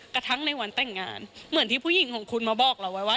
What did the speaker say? กระทั่งในวันแต่งงานเหมือนที่ผู้หญิงของคุณมาบอกเราไว้ว่า